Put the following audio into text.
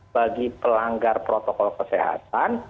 bagi pelanggar protokol kesehatan